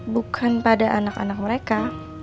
bukan pada anak anak mereka